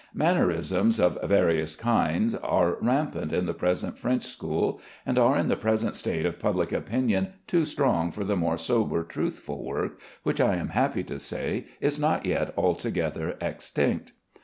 Mannerisms of various kinds are rampant in the present French school, and are in the present state of public opinion too strong for the more sober truthful work, which I am happy to say is not yet altogether extinct.